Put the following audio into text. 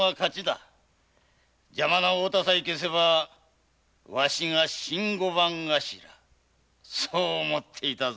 邪魔な太田さえ消せばわしが新御番頭そう思っていたぞ。